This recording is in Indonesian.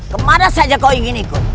kemana saja kok ingin ikut